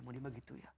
mau dia begitu ya